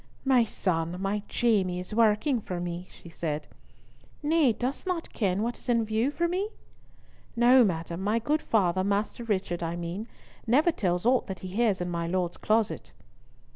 "My son, my Jamie, is working for me!" she said. "Nay, dost not ken what is in view for me?" "No, madam, my good father, Master Richard, I mean, never tells aught that he hears in my Lord's closet."